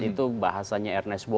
itu bahasanya ernest boyd